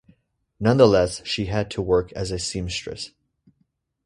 Nonetheless, she had to work as a seamstress.